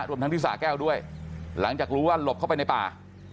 รวมทั้งที่สาแก้วด้วยหลังจากรู้ว่าหลบเข้าไปในป่า